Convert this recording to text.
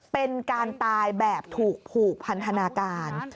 เป็นการตายแบบถูกผูกพันธนาการ